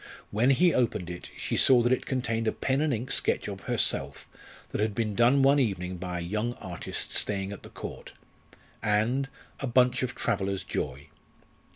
When he opened it she saw that it contained a pen and ink sketch of herself that had been done one evening by a young artist staying at the Court, and a bunch of traveller's joy.